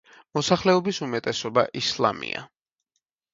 მოსახლეობის უმეტესობა ისლამია.